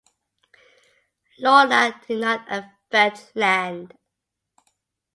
Lorna did not affect land.